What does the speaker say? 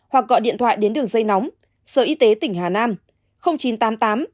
hoặc gọi điện thoại đến đường dây nóng sở y tế tỉnh hà nam